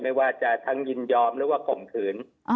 ไม่ว่าจะทั้งยินยอมหรือว่าข่มขืน